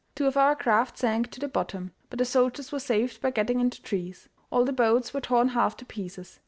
Two of our craft sank to the bottom, but the soldiers were saved by getting into trees. All the boats were torn half to pieces.